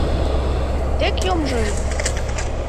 Тек йомжо ыле!